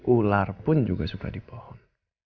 ular pun juga suka di pohon